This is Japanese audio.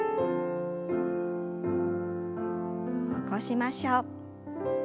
起こしましょう。